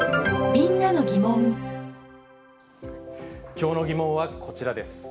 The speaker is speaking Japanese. きょうのギモンはこちらです。